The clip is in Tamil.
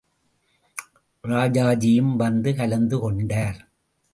ராஜாஜியும் வந்து கலந்து கொண்டார்.